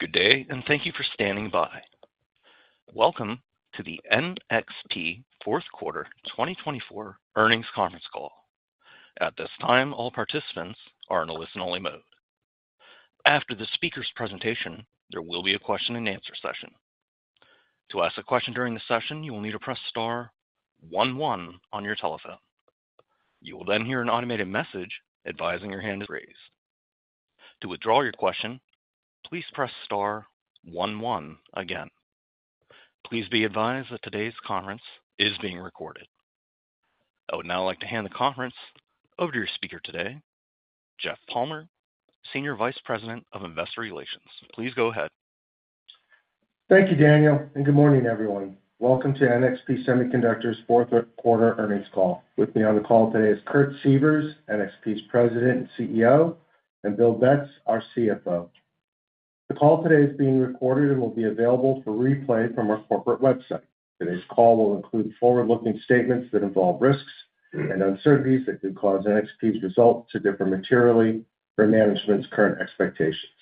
Good day, and thank you for standing by. Welcome to the NXP Fourth Quarter 2024 Earnings Conference Call. At this time, all participants are in a listen-only mode. After the speaker's presentation, there will be a question-and-answer session. To ask a question during the session, you will need to press star one one on your telephone. You will then hear an automated message advising your hand raised. To withdraw your question, please press star one one again. Please be advised that today's conference is being recorded. I would now like to hand the conference over to your speaker today, Jeff Palmer, Senior Vice President of Investor Relations. Please go ahead. Thank you, Daniel, and good morning, everyone. Welcome to NXP Semiconductors Fourth Quarter Earnings Call. With me on the call today is Kurt Sievers, NXP's President and CEO, and Bill Betz, our CFO. The call today is being recorded and will be available for replay from our corporate website. Today's call will include forward-looking statements that involve risks and uncertainties that could cause NXP's result to differ materially from management's current expectations.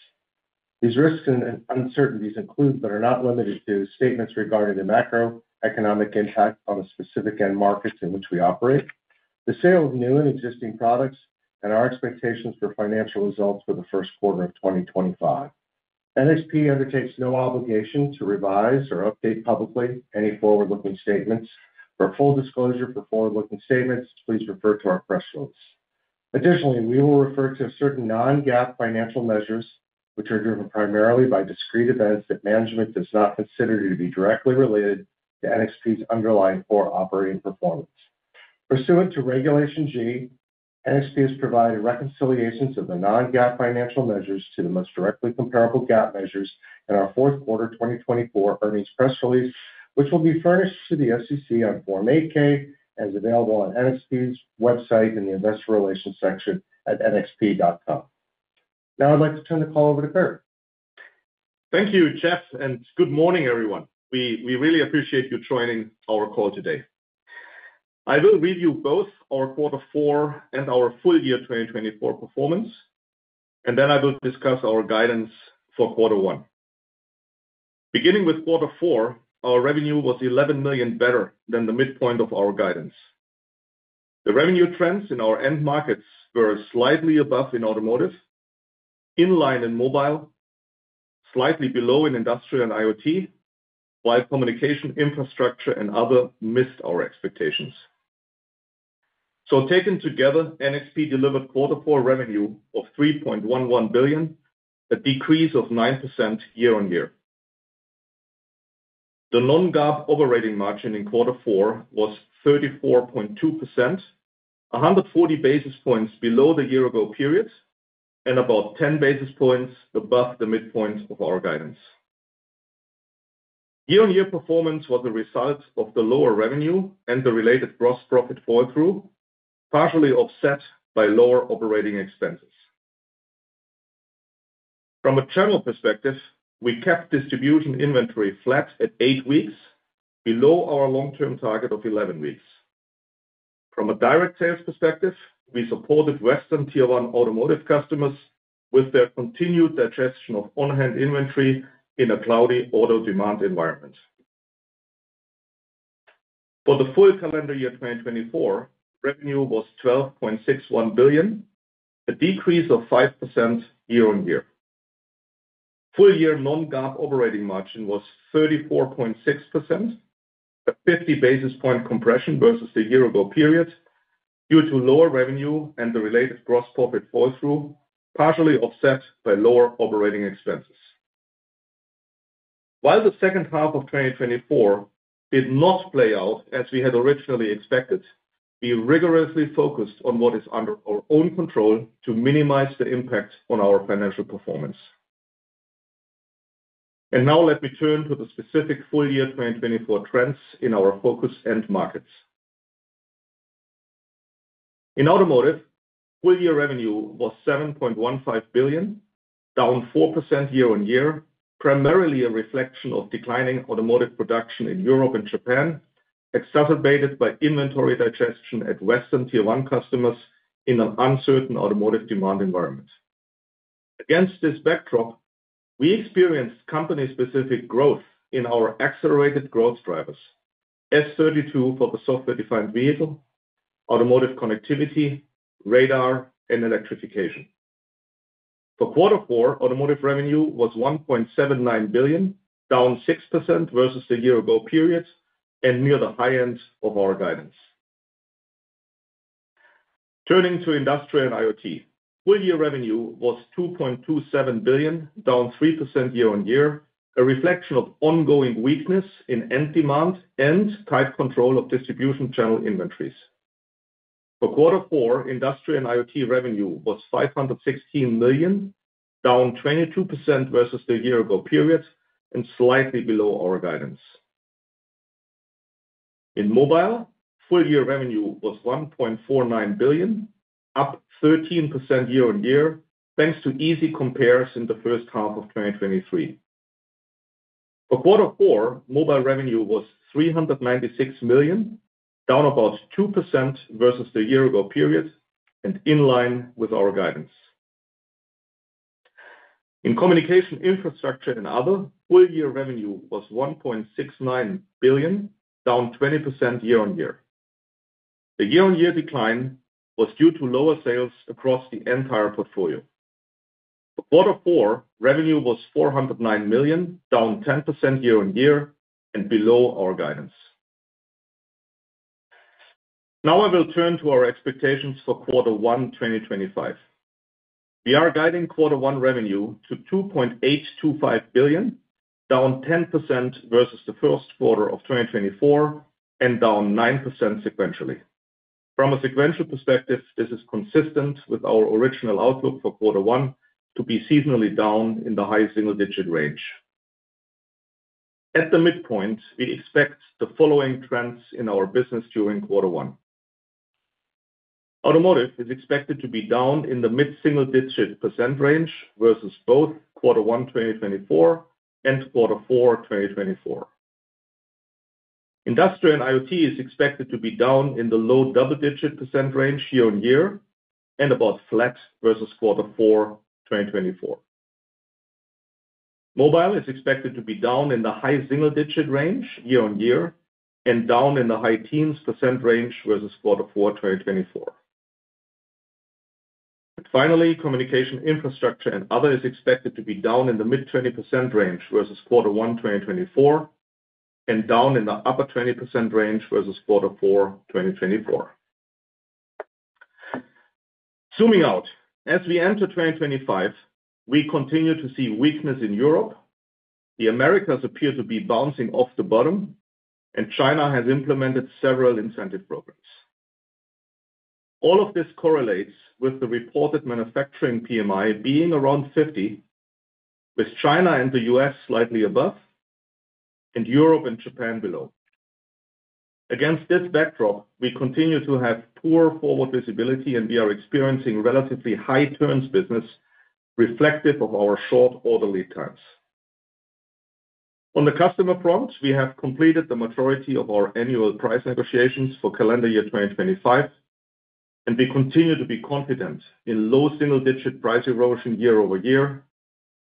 These risks and uncertainties include, but are not limited to, statements regarding the macroeconomic impact on the specific end markets in which we operate, the sale of new and existing products, and our expectations for financial results for the first quarter of 2025. NXP undertakes no obligation to revise or update publicly any forward-looking statements. For full disclosure for forward-looking statements, please refer to our press release. Additionally, we will refer to certain non-GAAP financial measures, which are driven primarily by discrete events that management does not consider to be directly related to NXP's underlying core operating performance. Pursuant to Regulation G, NXP has provided reconciliations of the non-GAAP financial measures to the most directly comparable GAAP measures in our Fourth Quarter 2024 Earnings Press Release, which will be furnished to the SEC on Form 8-K and is available on NXP's website in the Investor Relations section at nxp.com. Now, I'd like to turn the call over to Kurt. Thank you, Jeff, and good morning, everyone. We really appreciate you joining our call today. I will review both our quarter four and our full year 2024 performance, and then I will discuss our guidance for quarter one. Beginning with quarter four, our revenue was $11 million better than the midpoint of our guidance. The revenue trends in our end markets were slightly above in Automotive, in line in Mobile, slightly below in Industrial and IoT, while Communication Infrastructure and Other missed our expectations. So, taken together, NXP delivered quarter four revenue of $3.11 billion, a decrease of 9% year-on-year. The non-GAAP operating margin in quarter four was 34.2%, 140 basis points below the year-ago period and about 10 basis points above the midpoint of our guidance. Year-on-year performance was a result of the lower revenue and the related gross profit fall-through, partially offset by lower operating expenses. From a general perspective, we kept distribution inventory flat at eight weeks, below our long-term target of 11 weeks. From a direct sales perspective, we supported Western Tier 1 automotive customers with their continued digestion of on-hand inventory in a cloudy auto demand environment. For the full calendar year 2024, revenue was $12.61 billion, a decrease of 5% year-on-year. Full year Non-GAAP operating margin was 34.6%, a 50 basis point compression versus the year-ago period due to lower revenue and the related gross profit fall-through, partially offset by lower operating expenses. While the second half of 2024 did not play out as we had originally expected, we rigorously focused on what is under our own control to minimize the impact on our financial performance, and now, let me turn to the specific full year 2024 trends in our focus end markets. In Automotive, full year revenue was $7.15 billion, down 4% year-on-year, primarily a reflection of declining automotive production in Europe and Japan, exacerbated by inventory digestion at Western Tier 1 customers in an uncertain automotive demand environment. Against this backdrop, we experienced company-specific growth in our accelerated growth drivers: S32 for the software-defined vehicle, automotive connectivity, radar, and electrification. For quarter four, Automotive revenue was $1.79 billion, down 6% versus the year-ago period and near the high end of our guidance. Turning to Industrial and IoT, full year revenue was $2.27 billion, down 3% year-on-year, a reflection of ongoing weakness in end demand and tight control of distribution channel inventories. For quarter four, Industrial and IoT revenue was $516 million, down 22% versus the year-ago period and slightly below our guidance. In Mobile, full year revenue was $1.49 billion, up 13% year-on-year, thanks to easy compares in the first half of 2023. For quarter four, Mobile revenue was $396 million, down about 2% versus the year-ago period and in line with our guidance. In Communication Infrastructure and Other, full year revenue was $1.69 billion, down 20% year-on-year. The year-on-year decline was due to lower sales across the entire portfolio. For quarter four, revenue was $409 million, down 10% year-on-year and below our guidance. Now, I will turn to our expectations for quarter one 2025. We are guiding quarter one revenue to $2.825 billion, down 10% versus the first quarter of 2024, and down 9% sequentially. From a sequential perspective, this is consistent with our original outlook for quarter one to be seasonally down in the high single-digit range. At the midpoint, we expect the following trends in our business during quarter one. Automotive is expected to be down in the mid-single-digit % range versus both quarter one 2024 and quarter four 2024. Industrial and IoT is expected to be down in the low double-digit % range year-on-year and about flat versus quarter four 2024. Mobile is expected to be down in the high single-digit % range year-on-year and down in the high teens % range versus quarter four 2024. Finally, Communication Infrastructure and Other is expected to be down in the mid-20% range versus quarter one 2024 and down in the upper 20% range versus quarter four 2024. Zooming out, as we enter 2025, we continue to see weakness in Europe. The Americas appear to be bouncing off the bottom, and China has implemented several incentive programs. All of this correlates with the reported manufacturing PMI being around 50, with China and the U.S. slightly above and Europe and Japan below. Against this backdrop, we continue to have poor forward visibility, and we are experiencing relatively high turns business, reflective of our short lead times. On the customer front, we have completed the majority of our annual price negotiations for calendar year 2025, and we continue to be confident in low single-digit price erosion year-over-year,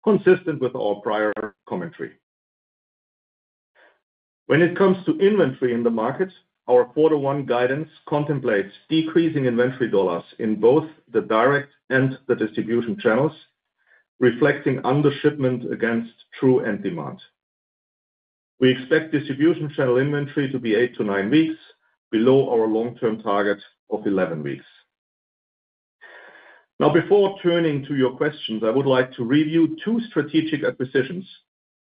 consistent with our prior commentary. When it comes to inventory in the market, our quarter one guidance contemplates decreasing inventory dollars in both the direct and the distribution channels, reflecting under-shipment against true end demand. We expect distribution channel inventory to be eight to nine weeks, below our long-term target of 11 weeks. Now, before turning to your questions, I would like to review two strategic acquisitions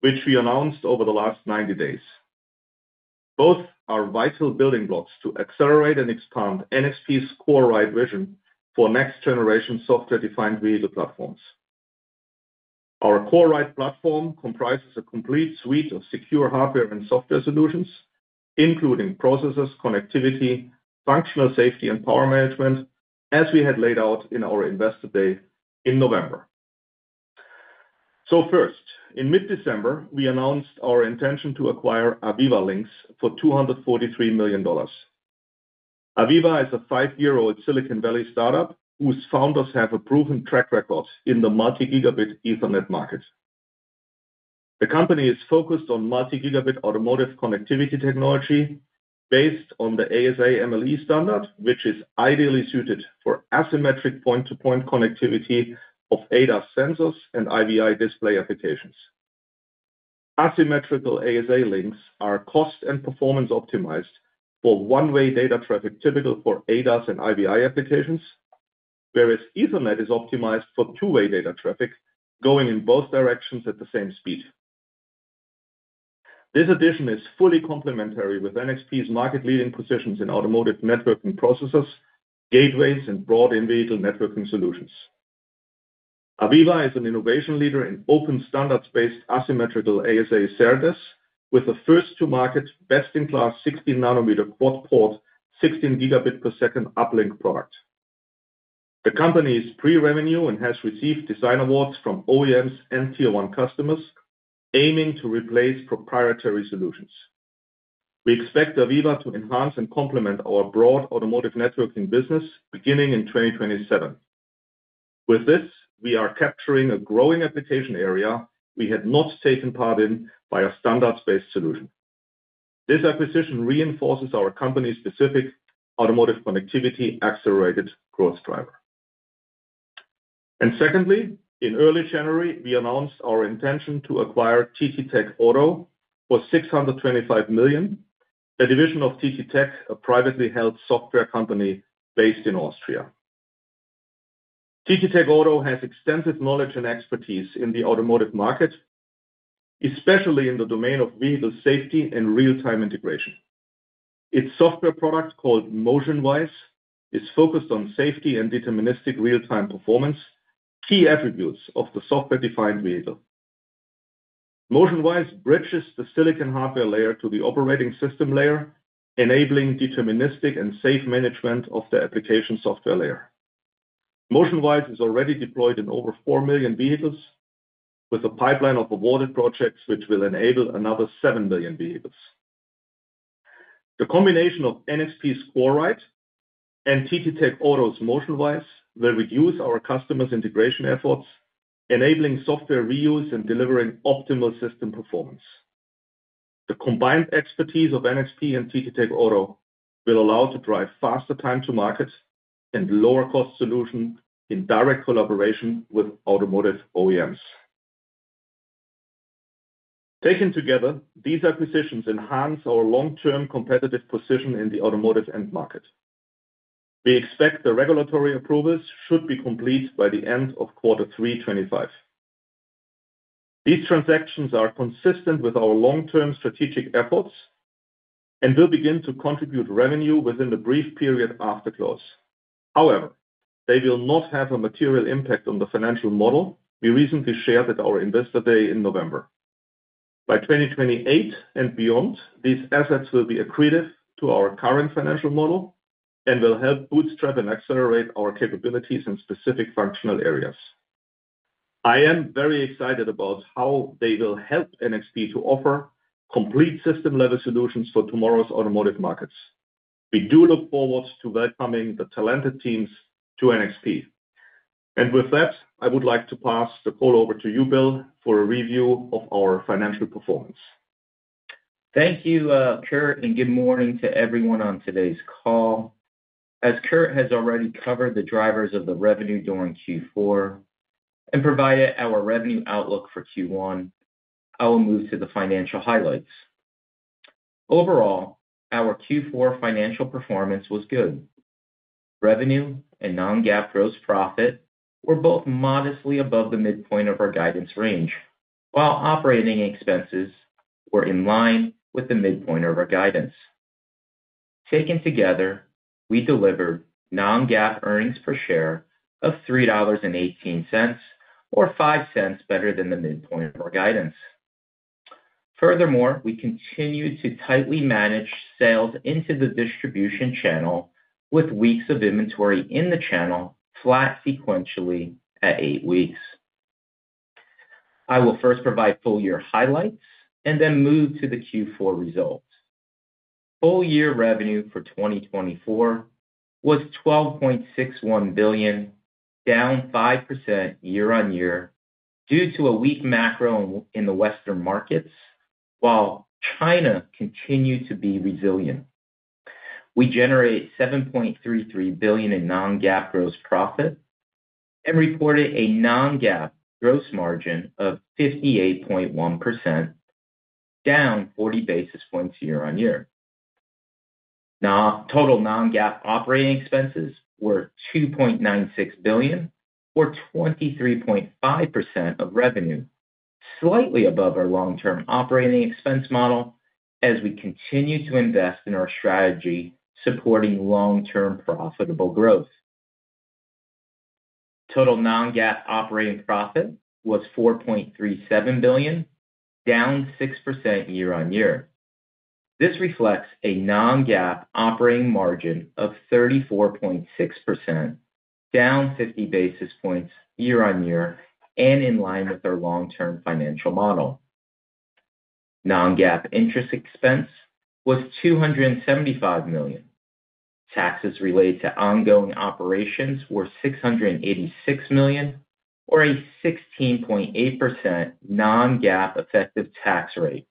which we announced over the last 90 days. Both are vital building blocks to accelerate and expand NXP's CoreRide vision for next-generation software-defined vehicle platforms. Our CoreRide platform comprises a complete suite of secure hardware and software solutions, including processors, connectivity, functional safety, and power management, as we had laid out in our Investor Day in November. So first, in mid-December, we announced our intention to acquire Aviva Links for $243 million. Aviva is a five-year-old Silicon Valley startup whose founders have a proven track record in the multi-gigabit Ethernet market. The company is focused on multi-gigabit automotive connectivity technology based on the ASA Motion Link standard, which is ideally suited for asymmetric point-to-point connectivity of ADAS sensors and IVI display applications. Asymmetrical ASA links are cost and performance optimized for one-way data traffic typical for ADAS and IVI applications, whereas Ethernet is optimized for two-way data traffic going in both directions at the same speed. This addition is fully complementary with NXP's market-leading positions in automotive networking processors, gateways, and broad in-vehicle networking solutions. Aviva is an innovation leader in open standards-based asymmetrical ASA SerDes, with the first-to-market best-in-class 16 nm quad-port 16 Gbps uplink product. The company is pre-revenue and has received design awards from OEMs and Tier 1 customers aiming to replace proprietary solutions. We expect Aviva to enhance and complement our broad automotive networking business beginning in 2027. With this, we are capturing a growing application area we had not taken part in by a standards-based solution. This acquisition reinforces our company-specific automotive connectivity accelerated growth driver. Secondly, in early January, we announced our intention to acquire TTTech Auto for $625 million, a division of TTTech, a privately held software company based in Austria. TTTech Auto has extensive knowledge and expertise in the automotive market, especially in the domain of vehicle safety and real-time integration. Its software product called MotionWise is focused on safety and deterministic real-time performance, key attributes of the software-defined vehicle. MotionWise bridges the silicon hardware layer to the operating system layer, enabling deterministic and safe management of the application software layer. MotionWise is already deployed in over 4 million vehicles, with a pipeline of awarded projects which will enable another 7 million vehicles. The combination of NXP's CoreRide and TTTech Auto's MotionWise will reduce our customers' integration efforts, enabling software reuse and delivering optimal system performance. The combined expertise of NXP and TTTech Auto will allow us to drive faster time-to-market and lower-cost solutions in direct collaboration with automotive OEMs. Taken together, these acquisitions enhance our long-term competitive position in the automotive end market. We expect the regulatory approvals should be complete by the end of quarter three 2025. These transactions are consistent with our long-term strategic efforts and will begin to contribute revenue within the brief period after close. However, they will not have a material impact on the financial model we recently shared at our Investor Day in November. By 2028 and beyond, these assets will be accretive to our current financial model and will help bootstrap and accelerate our capabilities in specific functional areas. I am very excited about how they will help NXP to offer complete system-level solutions for tomorrow's automotive markets. We do look forward to welcoming the talented teams to NXP. And with that, I would like to pass the call over to you, Bill, for a review of our financial performance. Thank you, Kurt, and good morning to everyone on today's call. As Kurt has already covered the drivers of the revenue during Q4 and provided our revenue outlook for Q1, I will move to the financial highlights. Overall, our Q4 financial performance was good. Revenue and non-GAAP gross profit were both modestly above the midpoint of our guidance range, while operating expenses were in line with the midpoint of our guidance. Taken together, we delivered non-GAAP earnings per share of $3.18, or $0.05 better than the midpoint of our guidance. Furthermore, we continued to tightly manage sales into the distribution channel with weeks of inventory in the channel flat sequentially at eight weeks. I will first provide full year highlights and then move to the Q4 results. Full year revenue for 2024 was $12.61 billion, down 5% year-on-year due to a weak macro in the Western markets, while China continued to be resilient. We generated $7.33 billion in non-GAAP gross profit and reported a non-GAAP gross margin of 58.1%, down 40 basis points year-on-year. Total non-GAAP operating expenses were $2.96 billion, or 23.5% of revenue, slightly above our long-term operating expense model as we continue to invest in our strategy supporting long-term profitable growth. Total non-GAAP operating profit was $4.37 billion, down 6% year-on-year. This reflects a non-GAAP operating margin of 34.6%, down 50 basis points year-on-year and in line with our long-term financial model. Non-GAAP interest expense was $275 million. Taxes related to ongoing operations were $686 million, or a 16.8% non-GAAP effective tax rate.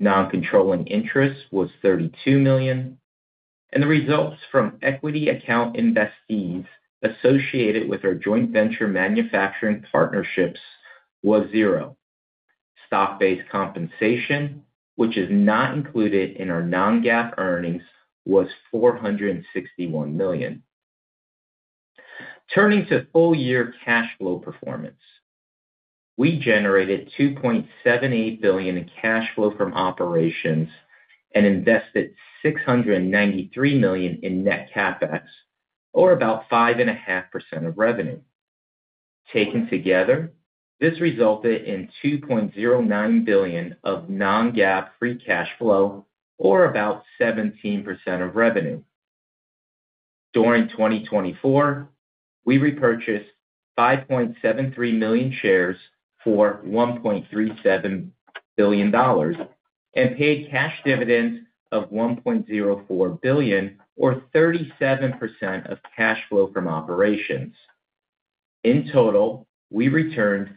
Non-controlling interest was $32 million, and the results from equity account investees associated with our joint venture manufacturing partnerships were zero. Stock-based compensation, which is not included in our non-GAAP earnings, was $461 million. Turning to full year cash flow performance, we generated $2.78 billion in cash flow from operations and invested $693 million in net CapEx, or about 5.5% of revenue. Taken together, this resulted in $2.09 billion of non-GAAP free cash flow, or about 17% of revenue. During 2024, we repurchased 5.73 million shares for $1.37 billion and paid cash dividends of $1.04 billion, or 37% of cash flow from operations. In total, we returned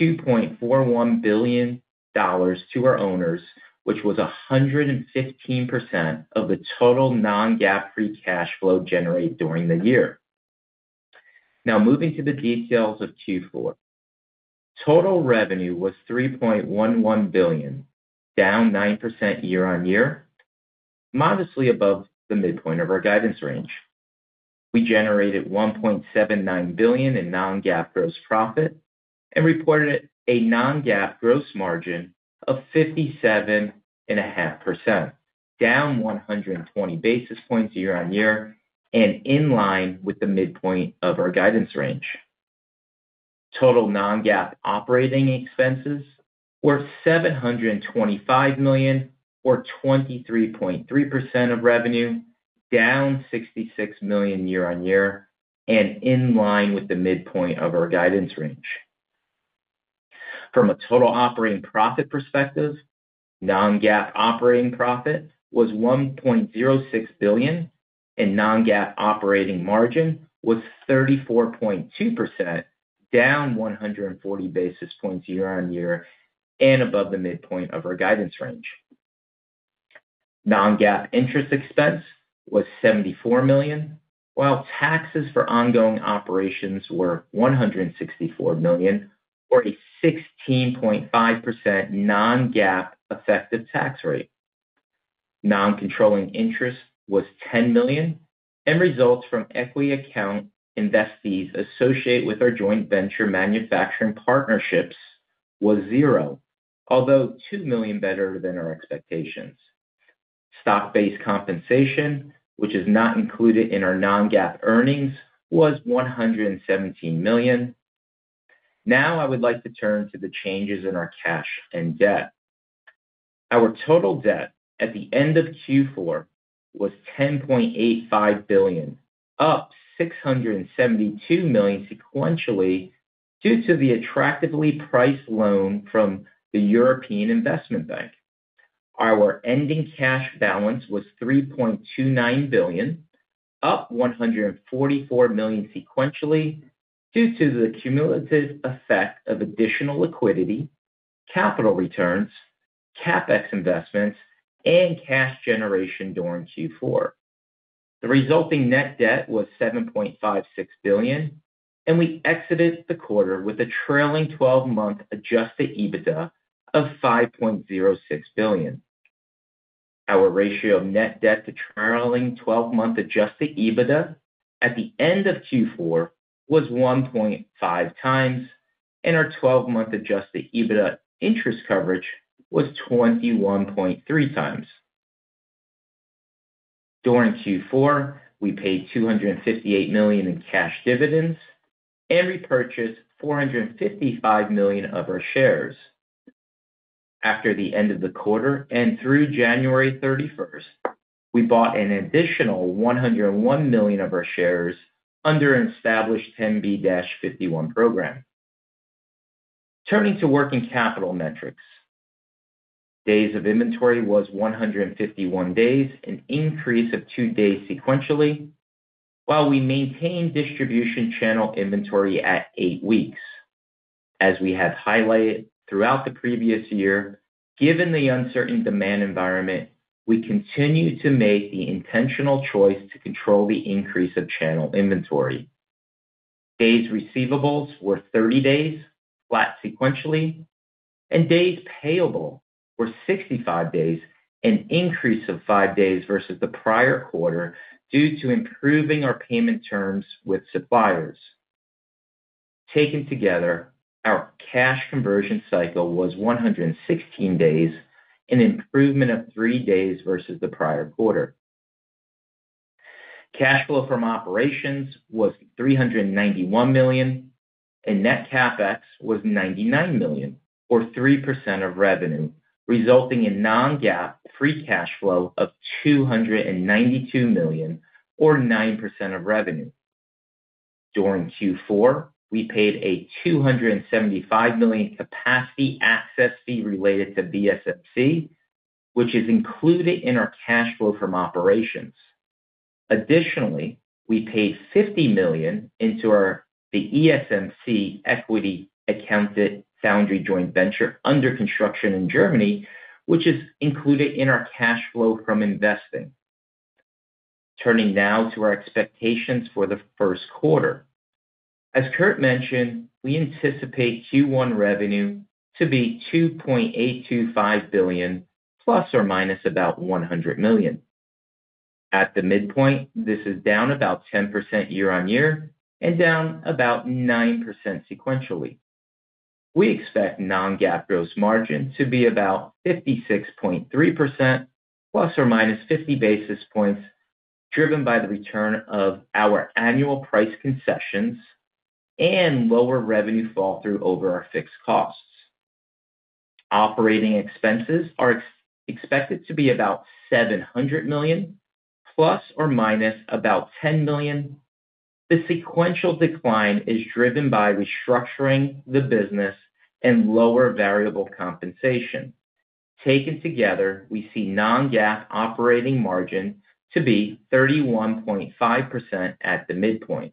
$2.41 billion to our owners, which was 115% of the total non-GAAP free cash flow generated during the year. Now, moving to the details of Q4. Total revenue was $3.11 billion, down 9% year-on-year, modestly above the midpoint of our guidance range. We generated $1.79 billion in non-GAAP gross profit and reported a non-GAAP gross margin of 57.5%, down 120 basis points year-on-year and in line with the midpoint of our guidance range. Total non-GAAP operating expenses were $725 million, or 23.3% of revenue, down $66 million year-on-year and in line with the midpoint of our guidance range. From a total operating profit perspective, non-GAAP operating profit was $1.06 billion and non-GAAP operating margin was 34.2%, down 140 basis points year-on-year and above the midpoint of our guidance range. Non-GAAP interest expense was $74 million, while taxes for ongoing operations were $164 million, or a 16.5% non-GAAP effective tax rate. Non-controlling interest was $10 million, and results from equity account investees associated with our joint venture manufacturing partnerships were zero, although $2 million better than our expectations. Stock-based compensation, which is not included in our non-GAAP earnings, was $117 million. Now, I would like to turn to the changes in our cash and debt. Our total debt at the end of Q4 was $10.85 billion, up $672 million sequentially due to the attractively priced loan from the European Investment Bank. Our ending cash balance was $3.29 billion, up $144 million sequentially due to the cumulative effect of additional liquidity, capital returns, CapEx investments, and cash generation during Q4. The resulting net debt was $7.56 billion, and we exited the quarter with a trailing 12-month adjusted EBITDA of $5.06 billion. Our ratio of net debt to trailing 12-month adjusted EBITDA at the end of Q4 was 1.5 times, and our 12-month adjusted EBITDA interest coverage was 21.3 times. During Q4, we paid $258 million in cash dividends and repurchased $455 million of our shares. After the end of the quarter and through January 31st, we bought an additional $101 million of our shares under an established 10b5-1 program. Turning to working capital metrics, days of inventory was 151 days, an increase of two days sequentially, while we maintained distribution channel inventory at eight weeks. As we have highlighted throughout the previous year, given the uncertain demand environment, we continue to make the intentional choice to control the increase of channel inventory. Days receivables were 30 days flat sequentially, and days payable were 65 days, an increase of five days versus the prior quarter due to improving our payment terms with suppliers. Taken together, our cash conversion cycle was 116 days, an improvement of three days versus the prior quarter. Cash flow from operations was $391 million, and net CapEx was $99 million, or 3% of revenue, resulting in non-GAAP free cash flow of $292 million, or 9% of revenue. During Q4, we paid a $275 million capacity access fee related to VSMC, which is included in our cash flow from operations. Additionally, we paid $50 million into the ESMC equity-accounted foundry joint venture under construction in Germany, which is included in our cash flow from investing. Turning now to our expectations for the first quarter. As Kurt mentioned, we anticipate Q1 revenue to be $2.825 billion, plus or minus about $100 million. At the midpoint, this is down about 10% year-on-year and down about 9% sequentially. We expect non-GAAP gross margin to be about 56.3%, plus or minus 50 basis points, driven by the return of our annual price concessions and lower revenue fall through over our fixed costs. Operating expenses are expected to be about $700 million, plus or minus about $10 million. The sequential decline is driven by restructuring the business and lower variable compensation. Taken together, we see non-GAAP operating margin to be 31.5% at the midpoint.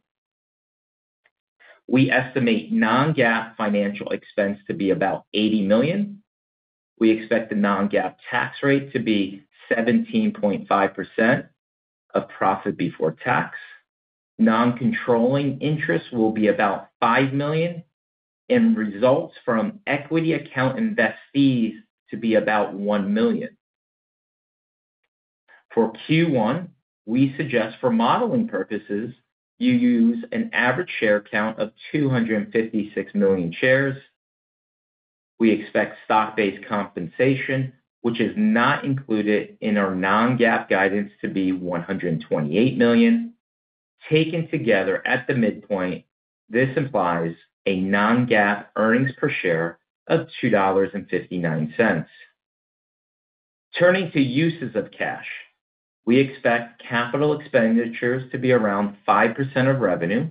We estimate non-GAAP financial expense to be about $80 million. We expect the non-GAAP tax rate to be 17.5% of profit before tax. Non-controlling interest will be about $5 million, and results from equity account investees to be about $1 million. For Q1, we suggest for modeling purposes, you use an average share count of 256 million shares. We expect stock-based compensation, which is not included in our non-GAAP guidance, to be $128 million. Taken together at the midpoint, this implies a non-GAAP earnings per share of $2.59. Turning to uses of cash, we expect capital expenditures to be around 5% of revenue.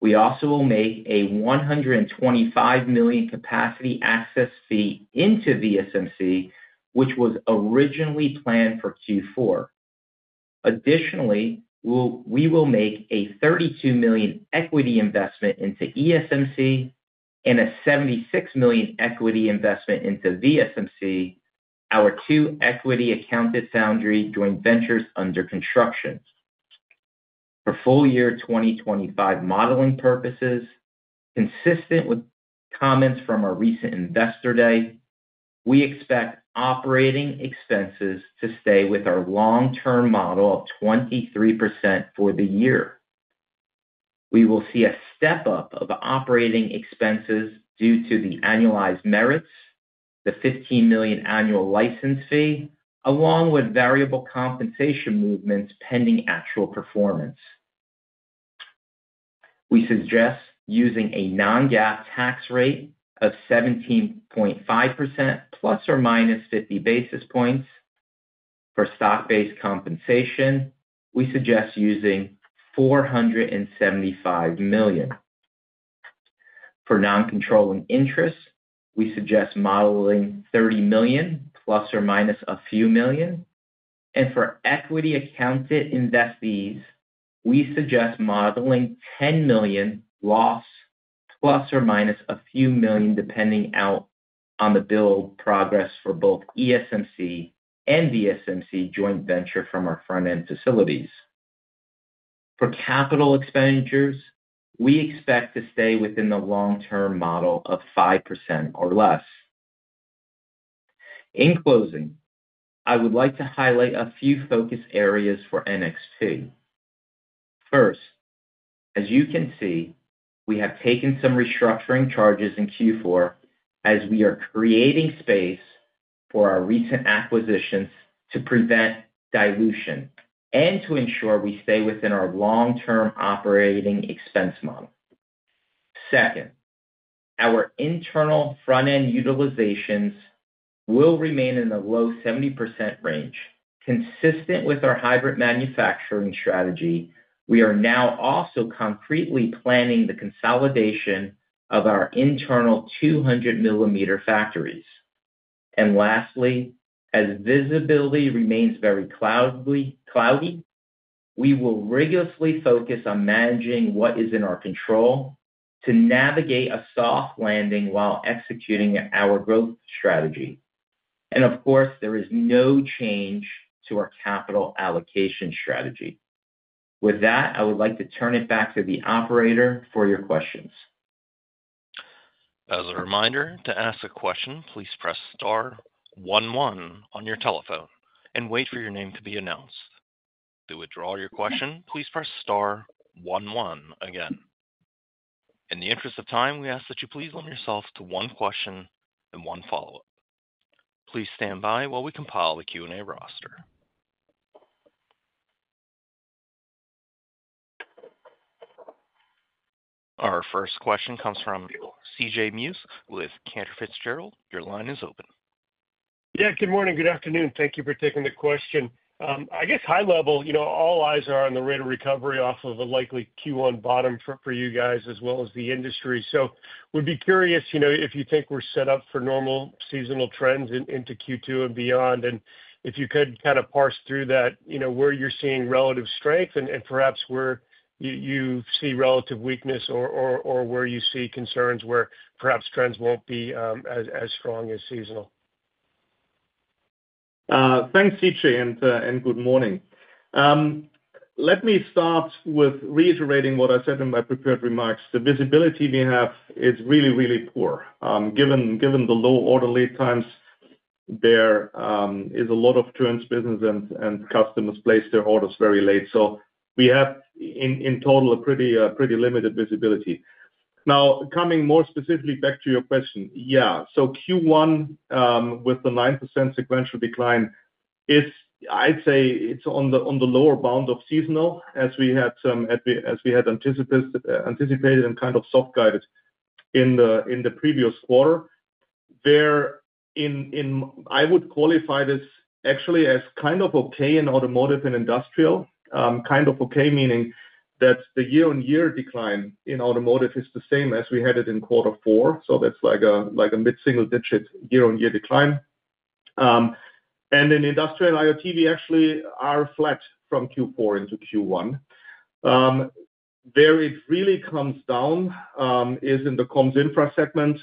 We also will make a $125 million capacity access fee into VSMC, which was originally planned for Q4. Additionally, we will make a $32 million equity investment into ESMC and a $76 million equity investment into VSMC, our two equity-accounted foundry joint ventures under construction. For full year 2025 modeling purposes, consistent with comments from our recent Investor Day, we expect operating expenses to stay with our long-term model of 23% for the year. We will see a step-up of operating expenses due to the annualized merits, the $15 million annual license fee, along with variable compensation movements pending actual performance. We suggest using a non-GAAP tax rate of 17.5%, plus or minus 50 basis points. For stock-based compensation, we suggest using $475 million. For non-controlling interest, we suggest modeling $30 million, plus or minus a few million. For equity-accounted investees, we suggest modeling $10 million loss, plus or minus a few million, depending on the build-out progress for both ESMC and VSMC joint ventures from our front-end facilities. For capital expenditures, we expect to stay within the long-term model of 5% or less. In closing, I would like to highlight a few focus areas for NXP. First, as you can see, we have taken some restructuring charges in Q4 as we are creating space for our recent acquisitions to prevent dilution and to ensure we stay within our long-term operating expense model. Second, our internal front-end utilizations will remain in the low 70% range, consistent with our hybrid manufacturing strategy. We are now also concretely planning the consolidation of our internal 200 mm factories. And lastly, as visibility remains very cloudy, we will rigorously focus on managing what is in our control to navigate a soft landing while executing our growth strategy. And of course, there is no change to our capital allocation strategy. With that, I would like to turn it back to the operator for your questions. As a reminder, to ask a question, please press star one one on your telephone and wait for your name to be announced. To withdraw your question, please press star one one again. In the interest of time, we ask that you please limit yourself to one question and one follow-up. Please stand by while we compile the Q&A roster. Our first question comes from C.J. Muse with Cantor Fitzgerald. Your line is open. Yeah, good morning. Good afternoon. Thank you for taking the question. I guess high-level, all eyes are on the rate of recovery off of a likely Q1 bottom for you guys as well as the industry. So we'd be curious if you think we're set up for normal seasonal trends into Q2 and beyond, and if you could kind of parse through that, where you're seeing relative strength and perhaps where you see relative weakness or where you see concerns where perhaps trends won't be as strong as seasonal. Thanks, C.J., and good morning. Let me start with reiterating what I said in my prepared remarks. The visibility we have is really, really poor. Given the low order lead times, there is a lot of turns business and customers place their orders very late. So we have in total a pretty limited visibility. Now, coming more specifically back to your question, yeah. So Q1 with the 9% sequential decline is, I'd say it's on the lower bound of seasonal as we had anticipated and kind of soft guided in the previous quarter. I would qualify this actually as kind of okay in Automotive and Industrial. Kind of okay meaning that the year-on-year decline in Automotive is the same as we had it in quarter four. So that's like a mid-single-digit year-on-year decline. And in Industrial and IoT, we actually are flat from Q4 into Q1. Where it really comes down is in the Comms Infra segment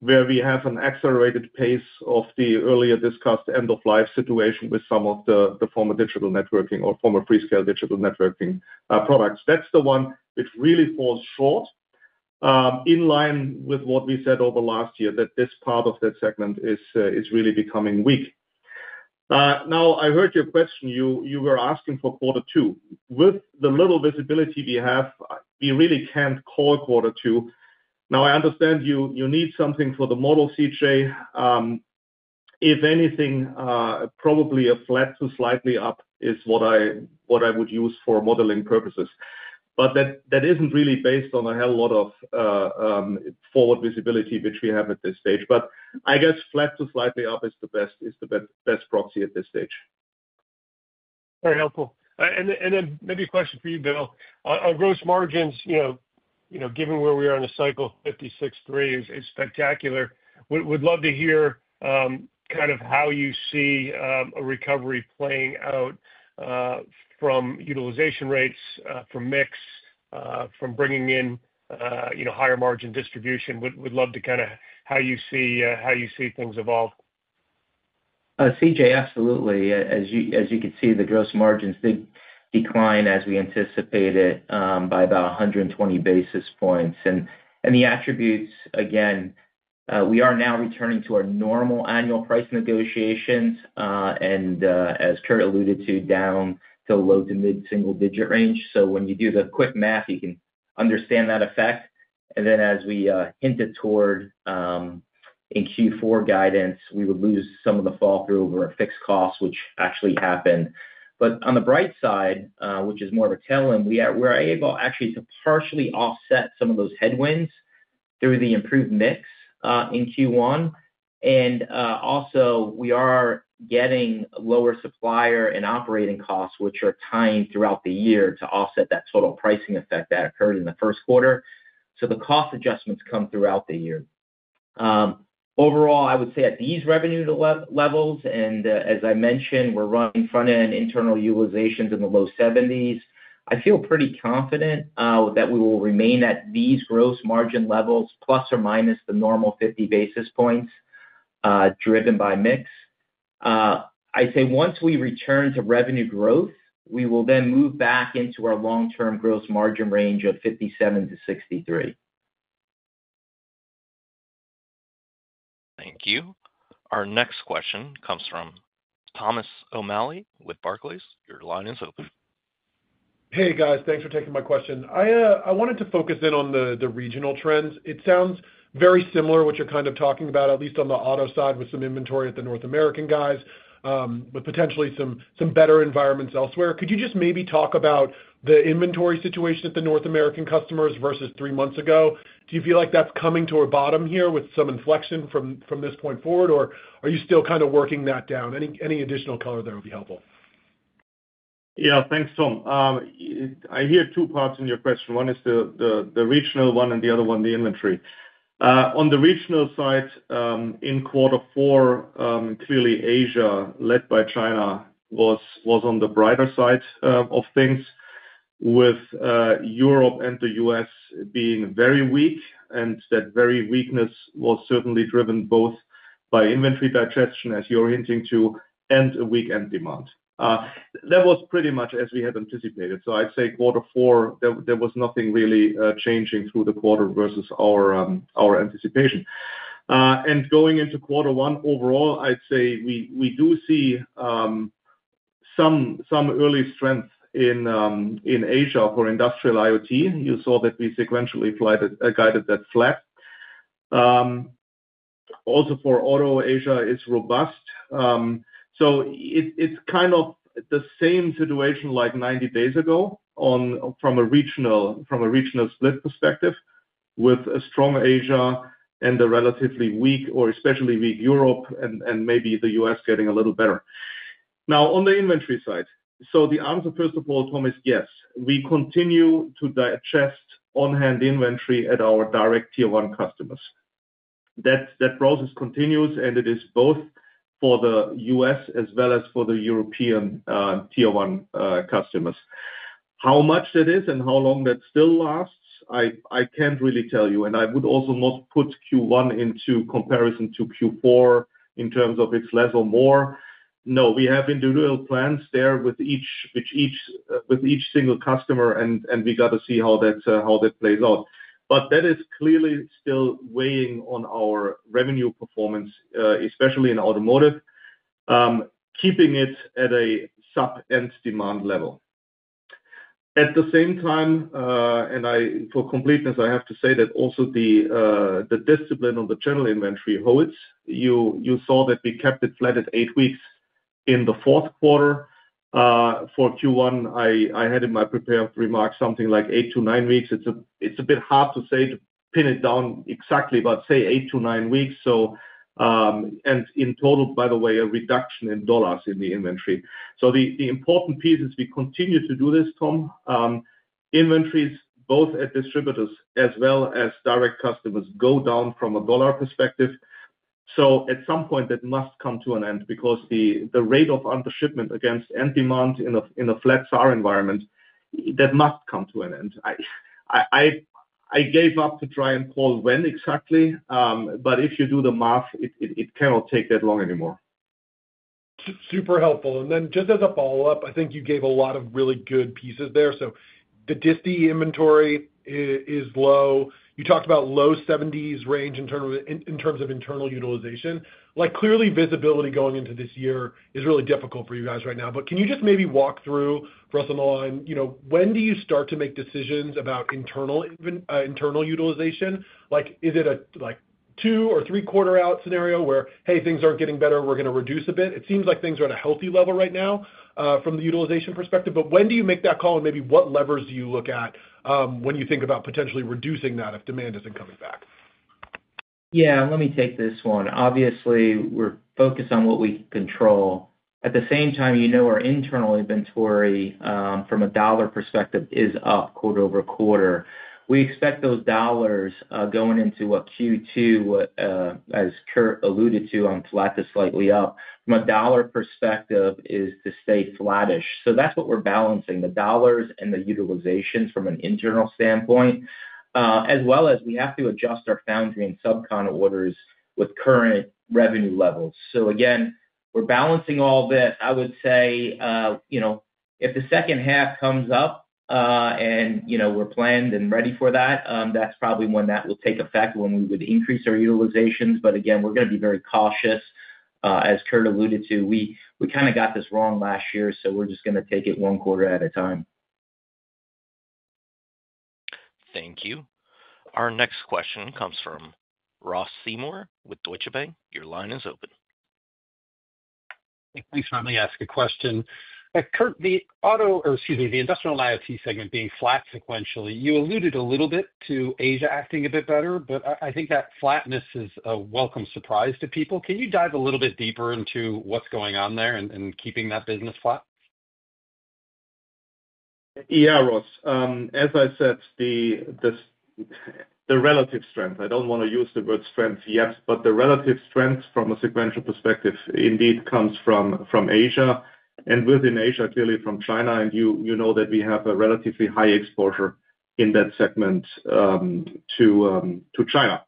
where we have an accelerated pace of the earlier discussed end-of-life situation with some of the former digital networking or former Freescale digital networking products. That's the one which really falls short in line with what we said over last year that this part of that segment is really becoming weak. Now, I heard your question. You were asking for quarter two. With the little visibility we have, we really can't call quarter two. Now, I understand you need something for the model, C.J. If anything, probably a flat to slightly up is what I would use for modeling purposes. But that isn't really based on a hell of a lot of forward visibility which we have at this stage. But I guess flat to slightly up is the best proxy at this stage. Very helpful. And then maybe a question for you, Bill. On gross margins, given where we are in a cycle, 56.3% is spectacular. We'd love to hear kind of how you see a recovery playing out from utilization rates, from mix, from bringing in higher margin distribution. We'd love to kind of how you see things evolve. C.J., absolutely. As you can see, the gross margins did decline as we anticipated by about 120 basis points. And the attributes, again, we are now returning to our normal annual price negotiations and, as Kurt alluded to, down to a low to mid-single-digit range. So when you do the quick math, you can understand that effect. And then as we hinted toward in Q4 guidance, we would lose some of the fall through over our fixed costs, which actually happened. But on the bright side, which is more of a tailwind, we are able actually to partially offset some of those headwinds through the improved mix in Q1. And also, we are getting lower supplier and operating costs, which are timing throughout the year to offset that total pricing effect that occurred in the first quarter. So the cost adjustments come throughout the year. Overall, I would say at these revenue levels, and as I mentioned, we're running front-end internal utilizations in the low 70%. I feel pretty confident that we will remain at these gross margin levels, plus or minus the normal 50 basis points driven by mix. I'd say once we return to revenue growth, we will then move back into our long-term gross margin range of 57%-63%. Thank you. Our next question comes from Thomas O'Malley with Barclays. Your line is open. Hey, guys. Thanks for taking my question. I wanted to focus in on the regional trends. It sounds very similar to what you're kind of talking about, at least on the auto side with some inventory at the North American guys, with potentially some better environments elsewhere. Could you just maybe talk about the inventory situation at the North American customers versus three months ago? Do you feel like that's coming to a bottom here with some inflection from this point forward, or are you still kind of working that down? Any additional color there would be helpful. Yeah, thanks, Tom. I hear two parts in your question. One is the regional one and the other one, the inventory. On the regional side, in quarter four, clearly Asia, led by China, was on the brighter side of things, with Europe and the U.S. being very weak. That very weakness was certainly driven both by inventory digestion, as you're hinting to, and a weak end demand. That was pretty much as we had anticipated. I'd say quarter four, there was nothing really changing through the quarter versus our anticipation. Going into quarter one, overall, I'd say we do see some early strength in Asia for Industrial and IoT. You saw that we sequentially guided that flat. Also for auto, Asia is robust. It's kind of the same situation like 90 days ago from a regional split perspective, with a strong Asia and a relatively weak, or especially weak, Europe and maybe the U.S. getting a little better. Now, on the inventory side, the answer, first of all, Tom, is yes. We continue to digest on-hand inventory at our direct Tier 1 customers. That process continues, and it is both for the U.S. as well as for the European Tier 1 customers. How much that is and how long that still lasts, I can't really tell you. I would also not put Q1 into comparison to Q4 in terms of its less or more. No, we have individual plans there with each single customer, and we got to see how that plays out. But that is clearly still weighing on our revenue performance, especially in automotive, keeping it at a sub-trend demand level. At the same time, and for completeness, I have to say that also the discipline on the general inventory holds. You saw that we kept it flat at eight weeks in the fourth quarter. For Q1, I had in my prepared remarks something like eight to nine weeks. It's a bit hard to say, to pin it down exactly, but say eight to nine weeks. And in total, by the way, a reduction in dollars in the inventory. So the important piece is we continue to do this, Tom. Inventories, both at distributors as well as direct customers, go down from a dollar perspective. So at some point, that must come to an end because the rate of undershipment against end demand in a flat SAAR environment, that must come to an end. I gave up to try and call when exactly, but if you do the math, it cannot take that long anymore. Super helpful. And then just as a follow-up, I think you gave a lot of really good pieces there. So the channel inventory is low. You talked about low 70% range in terms of internal utilization. Clearly, visibility going into this year is really difficult for you guys right now. But can you just maybe walk through for us on the line? When do you start to make decisions about internal utilization? Is it a two or three-quarter out scenario where, hey, things aren't getting better, we're going to reduce a bit? It seems like things are at a healthy level right now from the utilization perspective. But when do you make that call, and maybe what levers do you look at when you think about potentially reducing that if demand isn't coming back? Yeah, let me take this one. Obviously, we're focused on what we can control. At the same time, our internal inventory from a dollar perspective is up quarter-over-quarter. We expect those dollars going into Q2, as Kurt alluded to, on flat to slightly up. From a dollar perspective, it is to stay flattish. So that's what we're balancing, the dollars and the utilizations from an internal standpoint, as well as we have to adjust our foundry and sub-con orders with current revenue levels. So again, we're balancing all that. I would say if the second half comes up and we're planned and ready for that, that's probably when that will take effect when we would increase our utilizations. But again, we're going to be very cautious. As Kurt alluded to, we kind of got this wrong last year, so we're just going to take it one quarter at a time. Thank you. Our next question comes from Ross Seymore with Deutsche Bank. Your line is open. Thanks for letting me ask a question. Kurt, the Automotive or excuse me, the Industrial and IoT segment being flat sequentially, you alluded a little bit to Asia acting a bit better, but I think that flatness is a welcome surprise to people. Can you dive a little bit deeper into what's going on there and keeping that business flat? Yeah, Ross. As I said, the relative strength, I don't want to use the word strength yet, but the relative strength from a sequential perspective indeed comes from Asia. And within Asia, clearly from China, and you know that we have a relatively high exposure in that segment to China.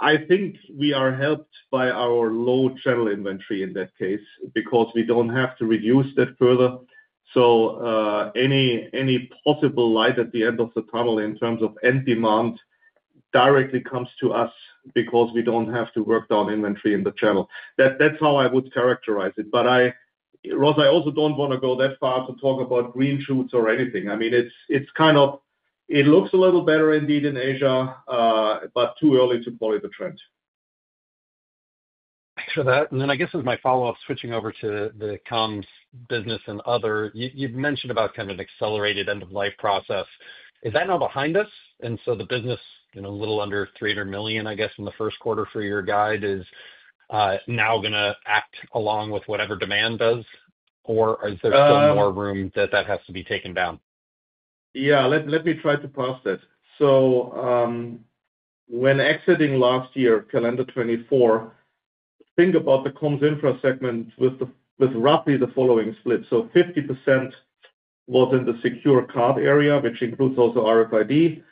I think we are helped by our low channel inventory in that case because we don't have to reduce that further. So any possible light at the end of the tunnel in terms of end demand directly comes to us because we don't have to work down inventory in the channel. That's how I would characterize it. But Ross, I also don't want to go that far to talk about green shoots or anything. I mean, it's kind of it looks a little better indeed in Asia, but too early to call it a trend. Thanks for that. And then I guess as my follow-up, switching over to the Comms business and Other, you've mentioned about kind of an accelerated end-of-life process. Is that now behind us? And so the business, a little under $300 million, I guess, in the first quarter for your guide is now going to act along with whatever demand does, or is there still more room that that has to be taken down? Yeah, let me try to parse that. So when exiting last year, calendar 2024, think about the Comms Infra segment with roughly the following split. So 50% was in the secure card area, which includes also RFID,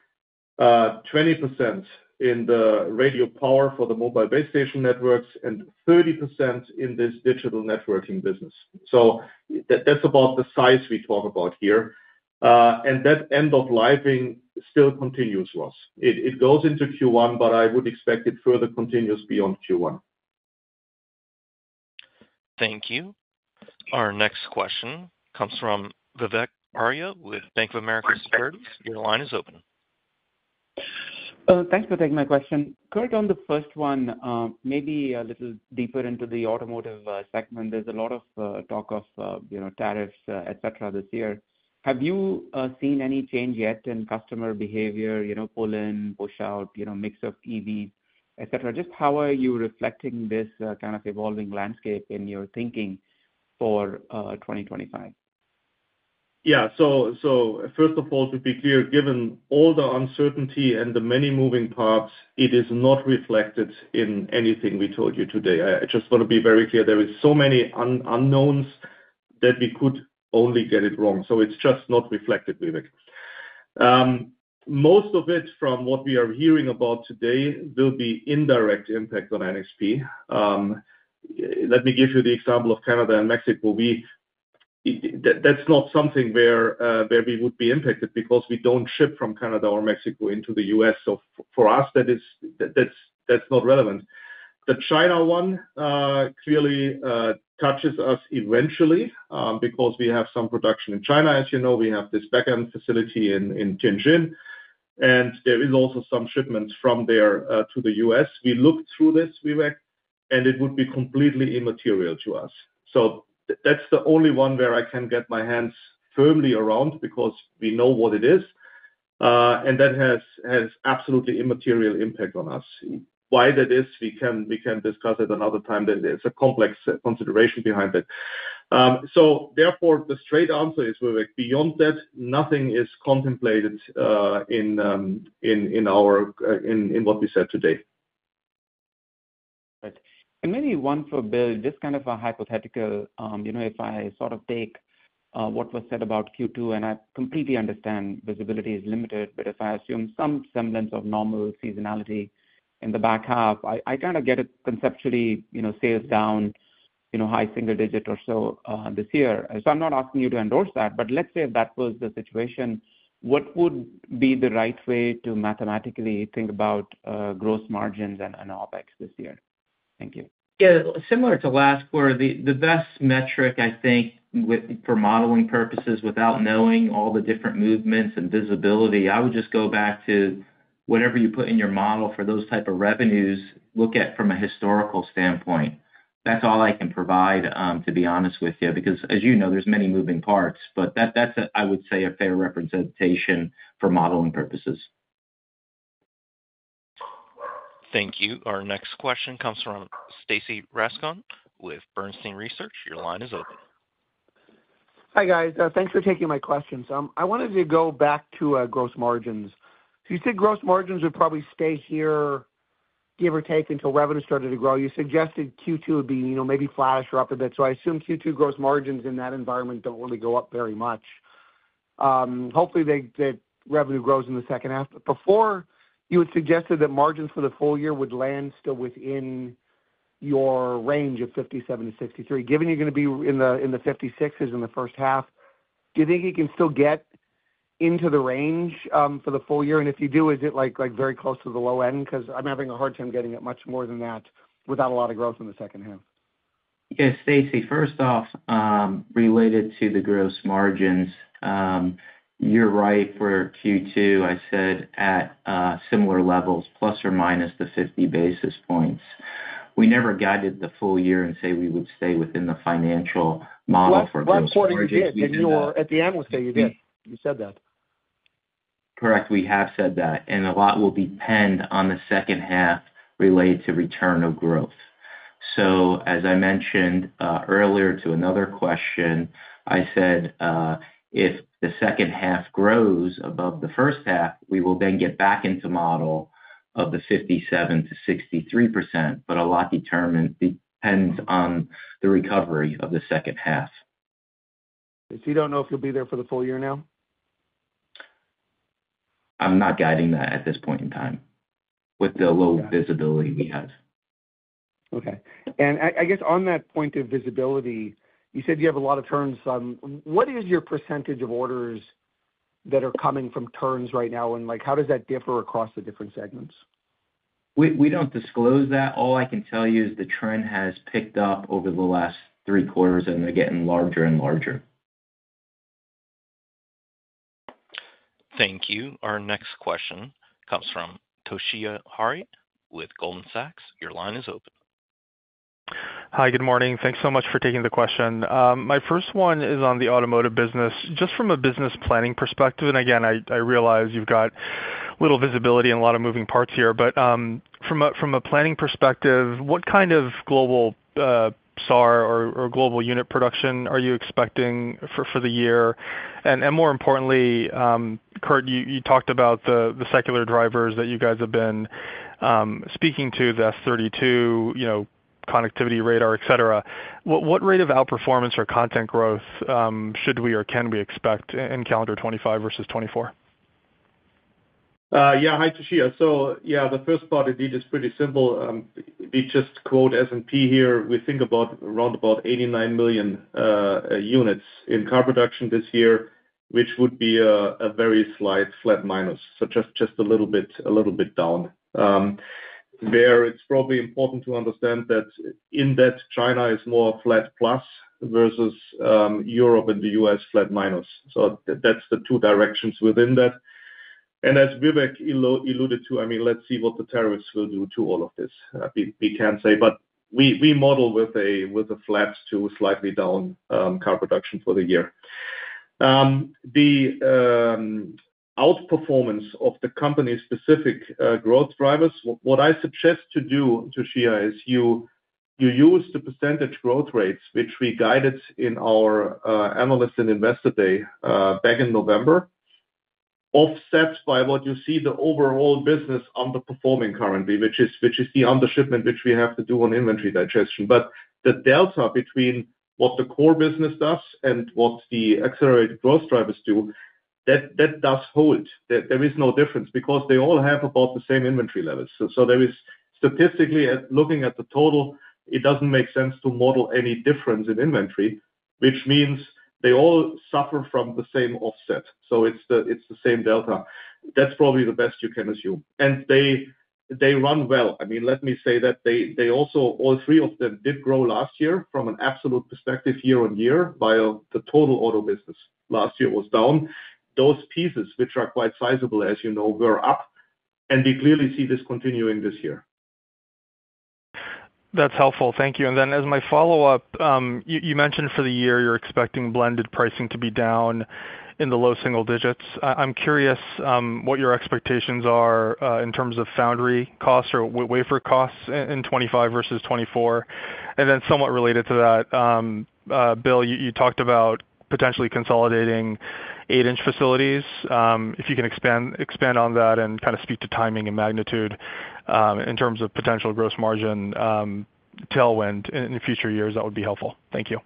20% in the radio power for the mobile base station networks, and 30% in this digital networking business. So that's about the size we talk about here. And that end-of-life thing still continues, Ross. It goes into Q1, but I would expect it further continues beyond Q1. Thank you. Our next question comes from Vivek Arya with Bank of America Securities. Your line is open. Thanks for taking my question. Kurt, on the first one, maybe a little deeper into the automotive segment, there's a lot of talk of tariffs, etc., this year. Have you seen any change yet in customer behavior, pull-in, push-out, mix of EVs, etc.? Just how are you reflecting this kind of evolving landscape in your thinking for 2025? Yeah. So first of all, to be clear, given all the uncertainty and the many moving parts, it is not reflected in anything we told you today. I just want to be very clear. There are so many unknowns that we could only get it wrong. So it's just not reflected, Vivek. Most of it from what we are hearing about today will be indirect impact on NXP. Let me give you the example of Canada and Mexico. That's not something where we would be impacted because we don't ship from Canada or Mexico into the U.S. So for us, that's not relevant. The China one clearly touches us eventually because we have some production in China. As you know, we have this backend facility in Tianjin, and there is also some shipments from there to the U.S. We looked through this, Vivek, and it would be completely immaterial to us. So that's the only one where I can get my hands firmly around because we know what it is. And that has absolutely immaterial impact on us. Why that is, we can discuss at another time. There's a complex consideration behind it. So therefore, the straight answer is, Vivek, beyond that, nothing is contemplated in what we said today. And maybe one for Bill, just kind of a hypothetical. If I sort of take what was said about Q2, and I completely understand visibility is limited, but if I assume some semblance of normal seasonality in the back half, I kind of get it conceptually sales down, high single digit or so this year. So I'm not asking you to endorse that, but let's say if that was the situation, what would be the right way to mathematically think about gross margins and OpEx this year? Thank you. Yeah. Similar to last quarter, the best metric, I think, for modeling purposes without knowing all the different movements and visibility, I would just go back to whatever you put in your model for those type of revenues, look at from a historical standpoint. That's all I can provide, to be honest with you, because as you know, there's many moving parts, but that's, I would say, a fair representation for modeling purposes. Thank you. Our next question comes from Stacy Rasgon with Bernstein Research. Your line is open. Hi guys. Thanks for taking my questions. I wanted to go back to gross margins. You said gross margins would probably stay here, give or take, until revenue started to grow. You suggested Q2 would be maybe flatter or up a bit. So I assume Q2 gross margins in that environment don't really go up very much. Hopefully, that revenue grows in the second half. Before, you had suggested that margins for the full year would land still within your range of 57%-63%. Given you're going to be in the 56%s in the first half, do you think you can still get into the range for the full year? And if you do, is it very close to the low end? Because I'm having a hard time getting it much more than that without a lot of growth in the second half. Yes, Stacy, first off, related to the gross margins, you're right for Q2, I said at similar levels, plus or minus the 50 basis points. We never guided the full year and say we would stay within the financial model for gross margins. Well, at the end, we'll say you did. You said that. Correct. We have said that. And a lot will depend on the second half related to return of growth. So as I mentioned earlier to another question, I said if the second half grows above the first half, we will then get back into model of the 57%-63%, but a lot depends on the recovery of the second half. So you don't know if you'll be there for the full year now? I'm not guiding that at this point in time with the low visibility we have. Okay. And I guess on that point of visibility, you said you have a lot of turns. What is your percentage of orders that are coming from turns right now, and how does that differ across the different segments? We don't disclose that. All I can tell you is the trend has picked up over the last three quarters, and they're getting larger and larger. Thank you. Our next question comes from Toshiya Hari with Goldman Sachs. Your line is open. Hi, good morning. Thanks so much for taking the question. My first one is on the automotive business, just from a business planning perspective. And again, I realize you've got little visibility and a lot of moving parts here, but from a planning perspective, what kind of global SAAR or global unit production are you expecting for the year? And more importantly, Kurt, you talked about the secular drivers that you guys have been speaking to, the S32, connectivity, radar, etc. What rate of outperformance or content growth should we or can we expect in calendar 2025 versus 2024? Yeah. Hi, Toshiya. So yeah, the first part indeed is pretty simple. We just quote S&P here. We think about around about 89 million units in car production this year, which would be a very slight flat minus, so just a little bit down. There, it's probably important to understand that in that China is more flat plus versus Europe and the U.S. flat minus. So that's the two directions within that. And as Vivek alluded to, I mean, let's see what the tariffs will do to all of this. We can't say, but we model with a flat to slightly down car production for the year. The outperformance of the company-specific growth drivers, what I suggest to do, Toshiya, is you use the percentage growth rates, which we guided in our analysts and Investor Day back in November, offset by what you see the overall business underperforming currently, which is the under-shipment, which we have to do on inventory digestion. But the delta between what the core business does and what the accelerated growth drivers do, that does hold. There is no difference because they all have about the same inventory levels. So statistically, looking at the total, it doesn't make sense to model any difference in inventory, which means they all suffer from the same offset. So it's the same delta. That's probably the best you can assume, and they run well. I mean, let me say that they also, all three of them, did grow last year from an absolute perspective year-on-year, while the total auto business last year was down. Those pieces, which are quite sizable, as you know, were up, and we clearly see this continuing this year. That's helpful. Thank you. And then as my follow-up, you mentioned for the year you're expecting blended pricing to be down in the low single digits. I'm curious what your expectations are in terms of foundry costs or wafer costs in 2025 versus 2024. And then somewhat related to that, Bill, you talked about potentially consolidating 8-inch facilities. If you can expand on that and kind of speak to timing and magnitude in terms of potential gross margin tailwind in future years, that would be helpful. Thank you.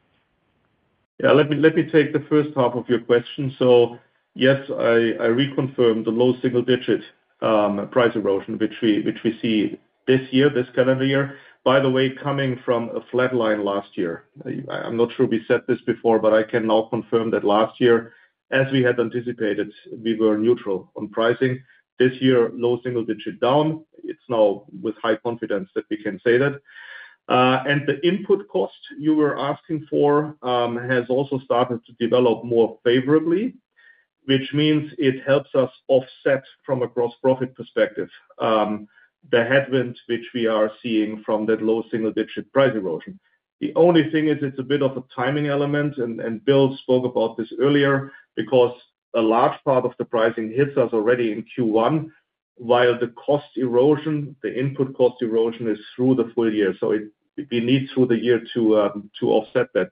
Yeah. Let me take the first half of your question. So yes, I reconfirm the low single-digit price erosion, which we see this year, this calendar year, by the way, coming from a flat line last year. I'm not sure we said this before, but I can now confirm that last year, as we had anticipated, we were neutral on pricing. This year, low single-digit down. It's now with high confidence that we can say that. And the input cost you were asking for has also started to develop more favorably, which means it helps us offset from a gross profit perspective the headwind which we are seeing from that low single-digit price erosion. The only thing is it's a bit of a timing element, and Bill spoke about this earlier because a large part of the pricing hits us already in Q1, while the cost erosion, the input cost erosion is through the full year. So we need through the year to offset that.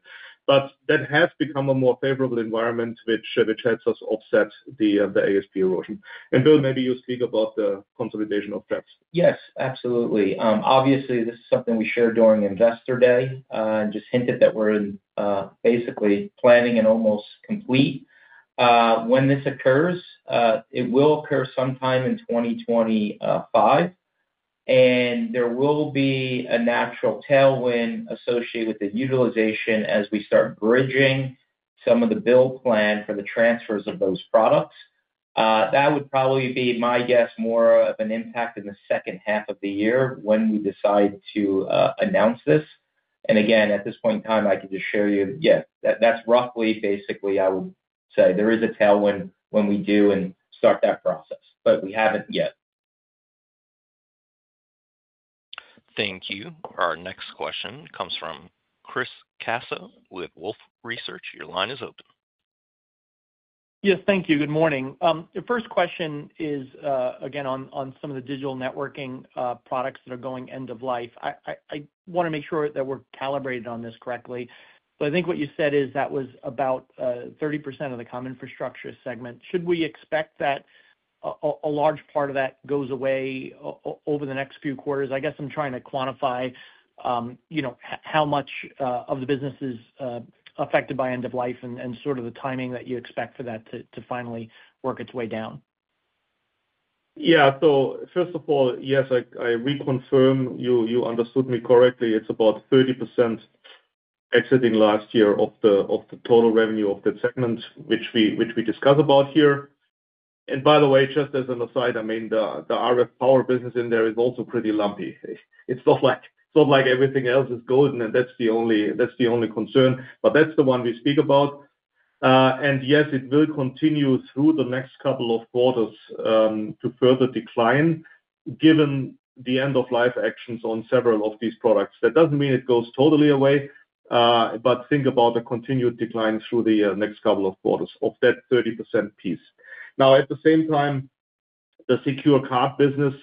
But that has become a more favorable environment, which helps us offset the ASP erosion. And Bill, maybe you speak about the consolidation of that. Yes, absolutely. Obviously, this is something we shared during Investor Day and just hinted that we're basically planning an almost complete. When this occurs, it will occur sometime in 2025, and there will be a natural tailwind associated with the utilization as we start bridging some of the build plan for the transfers of those products. That would probably be, my guess, more of an impact in the second half of the year when we decide to announce this. And again, at this point in time, I can just share you, yeah, that's roughly, basically, I would say there is a tailwind when we do and start that process, but we haven't yet. Thank you. Our next question comes from Chris Caso with Wolfe Research. Your line is open. Yes, thank you. Good morning. The first question is, again, on some of the digital networking products that are going end of life. I want to make sure that we're calibrated on this correctly. But I think what you said is that was about 30% of the Communication Infrastructure segment. Should we expect that a large part of that goes away over the next few quarters? I guess I'm trying to quantify how much of the business is affected by end of life and sort of the timing that you expect for that to finally work its way down. Yeah. So first of all, yes, I reconfirm you understood me correctly. It's about 30% exiting last year of the total revenue of the segment, which we discussed about here. And by the way, just as an aside, I mean, the RF Power business in there is also pretty lumpy. It's not like everything else is golden, and that's the only concern, but that's the one we speak about. And yes, it will continue through the next couple of quarters to further decline given the end-of-life actions on several of these products. That doesn't mean it goes totally away, but think about the continued decline through the next couple of quarters of that 30% piece. Now, at the same time, the secure card business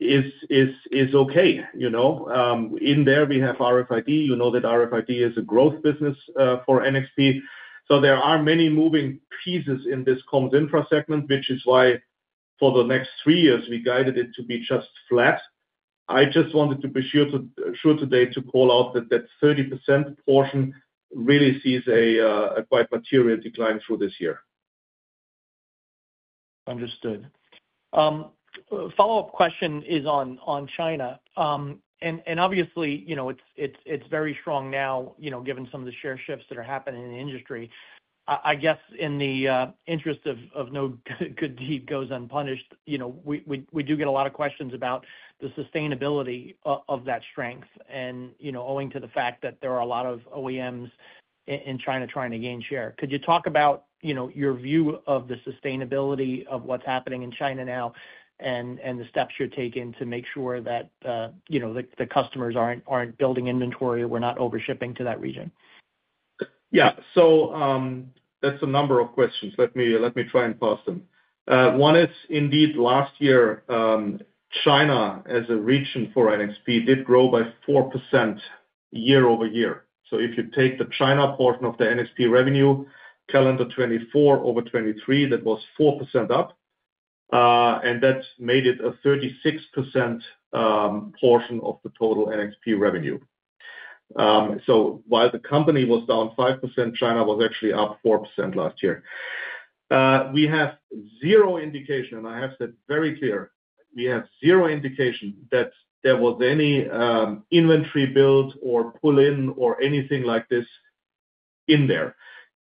is okay. In there, we have RFID. You know that RFID is a growth business for NXP. So there are many moving pieces in this Comms Infra segment, which is why for the next three years, we guided it to be just flat. I just wanted to be sure today to call out that that 30% portion really sees a quite material decline through this year. Understood. Follow-up question is on China. And obviously, it's very strong now, given some of the share shifts that are happening in the industry. I guess in the interest of no good deed goes unpunished, we do get a lot of questions about the sustainability of that strength and owing to the fact that there are a lot of OEMs in China trying to gain share. Could you talk about your view of the sustainability of what's happening in China now and the steps you're taking to make sure that the customers aren't building inventory or we're not overshipping to that region? Yeah. So that's a number of questions. Let me try and parse them. One is indeed last year. China as a region for NXP did grow by 4% year-over-year. So if you take the China portion of the NXP revenue, calendar 2024 over 2023, that was 4% up, and that made it a 36% portion of the total NXP revenue. So while the company was down 5%, China was actually up 4% last year. We have zero indication, and I have said very clear, we have zero indication that there was any inventory build or pull-in or anything like this in there.